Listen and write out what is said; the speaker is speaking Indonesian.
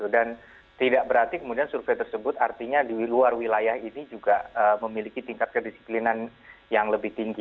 dan tidak berarti survei tersebut artinya di luar wilayah ini juga memiliki tingkat kedisiplinan yang lebih tinggi